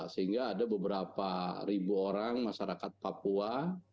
sehingga ada beberapa ribu orang masyarakat papua